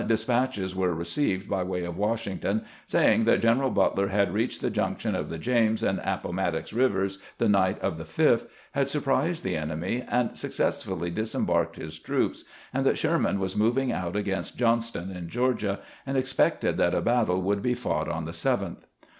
despatches were received by way of "Wash ington, saying that Greneral Butler had reached the junction of the James and Appomattox rivers the night of the 5th, had surprised the enemy, and successfully disembarked his troops, and that Sherman was moving out against Johnston in Georgia, and expected that a battle would be fought on the 7th.